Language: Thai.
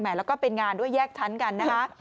แล้วก็เป็นงานด้วยแยกชั้นกันนะคะ